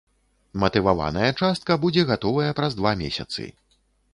Матываваная частка будзе гатовая праз два месяцы.